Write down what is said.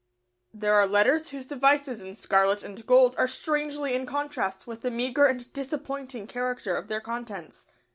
There are letters whose devices in scarlet and gold are strangely in contrast with the meagre and disappointing character of their contents.